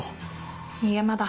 いいえまだ。